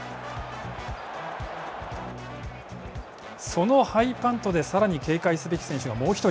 そのハイパントで、さらに警戒すべき選手がもう１人。